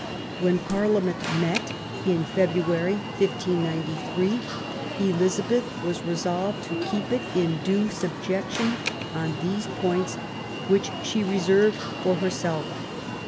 When Parliament met, in February, 1593, Eliza beth was resolved to keep it in due subjection on those points which she reserved for herself.